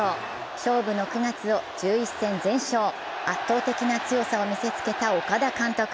勝負の９月を１１戦全勝、圧倒的な強さを見せつけた岡田監督。